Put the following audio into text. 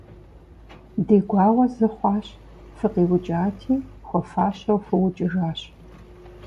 Ди гуауэ зы хъуащ - фыкъиукӀати, хуэфащэу фыукӀыжащ.